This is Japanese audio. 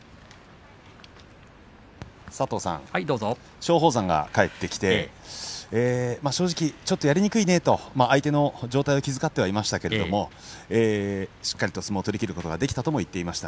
松鳳山が帰ってきて正直ちょっとやりにくいねと相手の状態を気遣っていましたけれどしっかりと相撲を取りきることができたとも言っていました。